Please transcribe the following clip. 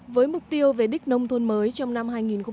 với mục tiêu về đích nông thôn mới trong năm hai nghìn một mươi sáu